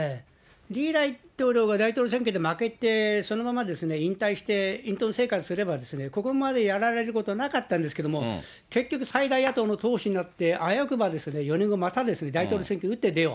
リ大統領が大統領選挙で負けて、そのまま引退して隠とん生活すれば、ここまでやられること、なかったんですけれども、結局、最大野党の与党になってあわよくば４年後また大統領選挙に打って出よう。